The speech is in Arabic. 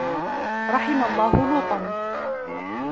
رَحِمَ اللَّهُ لُوطًا